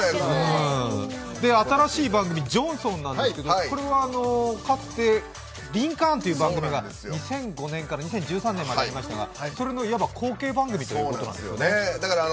新しい番組「ジョンソン」なんですけどこれはかつて「リンカーン」という番組が２００５年から２０１３年にありましたがそれの後継番組ということなんですね。